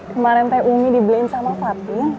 kemarin teh ummi dibeliin sama fatin